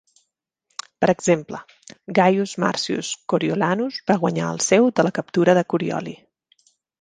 Per exemple, Gaius Marcius Coriolanus va guanyar el seu de la captura de Corioli.